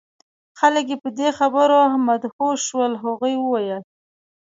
خلک یې په دې خبرو مدهوش شول. هغوی وویل: